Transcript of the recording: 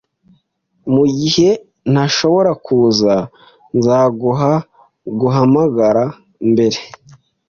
Mugihe ntashobora kuza, nzaguha guhamagara mbere